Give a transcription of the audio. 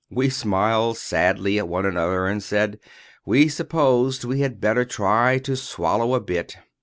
We smiled sadly at one another, and said we supposed we had better try to swallow a bit.